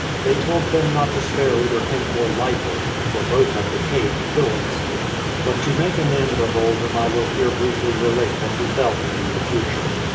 They told them not to spare either him or Lyford, for both had behaved villainously. But to make an end of Oldham I will here briefly relate what befell him in the future.